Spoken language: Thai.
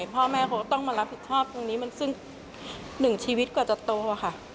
พ่อแม่เขาต้องมารับผิดชอบตรงนี้มันซึ่งหนึ่งชีวิตกว่าจะโตค่ะ